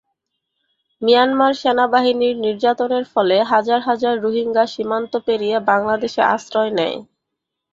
Myanmar সেনাবাহিনীর নির্যাতনের ফলে হাজার হাজার রোহিঙ্গা সীমান্ত পেরিয়ে বাংলাদেশে আশ্রয় নেয়।